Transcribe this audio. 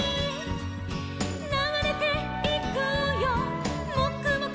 「ながれていくよもくもくもくも」